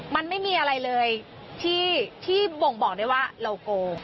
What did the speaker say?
มันไม่มีอะไรเลยที่บ่งบอกได้ว่าเราโก